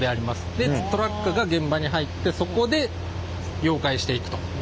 でトラックが現場に入ってそこで溶解していくと。